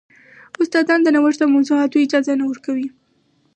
استادان د نوښت او موضوعاتو اجازه نه ورکوي.